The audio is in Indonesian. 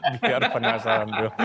biar penasaran dulu